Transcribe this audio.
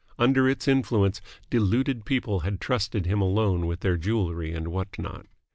Under its influence deluded people had trusted him alone with their jewellery and what not.